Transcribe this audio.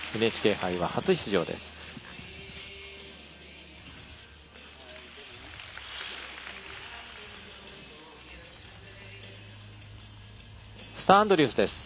ＮＨＫ杯は初出場です。